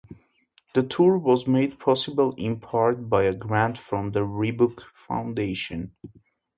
The tour was made possible in part by a grant from the Reebok Foundation.